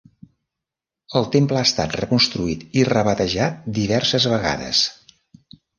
El temple ha estat reconstruït i rebatejat diverses vegades.